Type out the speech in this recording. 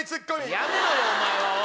やめろよお前は。